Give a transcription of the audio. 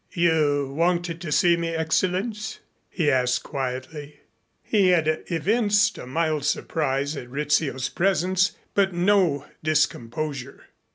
"You wanted to see me, Excellenz?" he asked quietly. He had evinced a mild surprise at Rizzio's presence, but no discomposure.